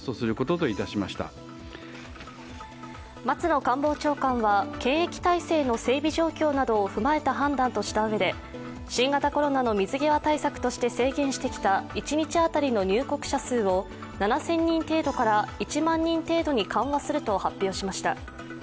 松野官房長官は検疫体制の整備状況などを踏まえた判断としたうえで新型コロナの水際対策として制限してきた一日当たりの入国者数を７０００人程度から１万人程度に緩和すると発表しました。